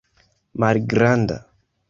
malgranda